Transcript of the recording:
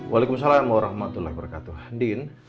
walikumsalam warahmatullahi wabarakatuh din